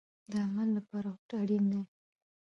د عمل لپاره هوډ اړین دی